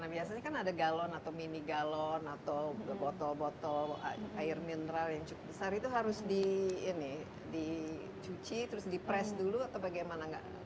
kalau misalnya kita mau ambil galon atau mini galon atau botol botol air mineral yang cukup besar itu harus dicuci terus di press dulu atau bagaimana